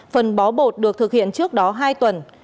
phần bó bột được thực hiện trước đó hai tuần